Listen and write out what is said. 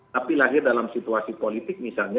tapi lahir dalam situasi politik misalnya